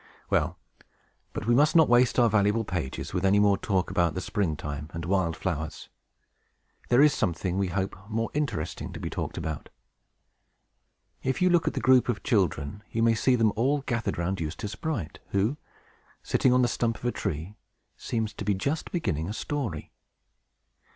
Well, but we must not waste our valuable pages with any more talk about the spring time and wild flowers. There is something, we hope, more interesting to be talked about. If you look at the group of children, you may see them all gathered around Eustace Bright, who, sitting on the stump of a tree, seems to be just beginning a story.